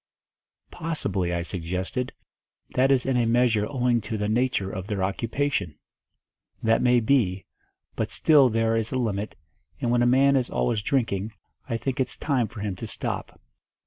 "Possibly," I suggested, "that is in a measure owing to the nature of their occupation." "That may be, but still there is a limit, and when a man is always drinking, I think it's time for him to stop."